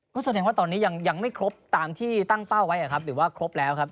ก็แสดงว่าตอนนี้ยังไม่ครบตามที่ตั้งเป้าไว้หรือว่าครบแล้วครับ